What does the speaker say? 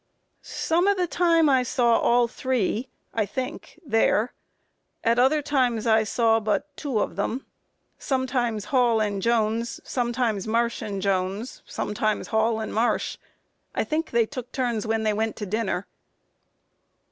A. Some of the time I saw all three, I think, there; at other times I saw but two of them; sometimes Hall and Jones, sometimes Marsh and Jones, sometimes Hall and Marsh; I think they took turns when they went to dinner.